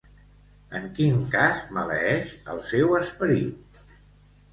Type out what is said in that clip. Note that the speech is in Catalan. En quin cas maleeix el seu esperit?